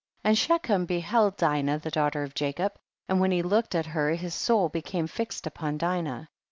10. And Shechem beheld Dinah the daughter of Jacob, and when he looked at her his soul became fixed upon Dinah.